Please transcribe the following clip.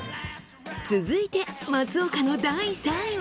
続いて松岡の第３位は？